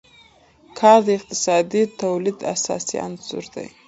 کار د اقتصادي تولید اساسي عنصر دی.